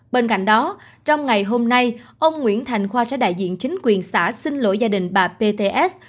bên cạnh đó trong ngày hôm nay ông nguyễn thành khoa sẽ đại diện chính quyền xã xin lỗi gia đình bà pts